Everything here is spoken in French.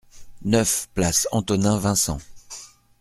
neuf place Antonin Vincent